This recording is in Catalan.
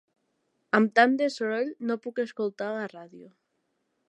Amb tant de soroll no puc escoltar la ràdio.